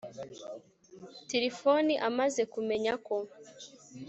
tirifoni amaze kumenya ko